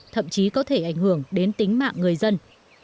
thậm chí có thể ảnh hưởng đến tính mạng người dân